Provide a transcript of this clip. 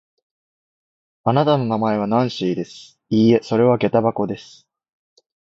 あなたの名前はナンシーです。いいえ、それはげた箱です。